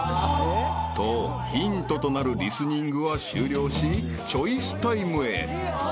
［とヒントとなるリスニングは終了しチョイスタイムへ］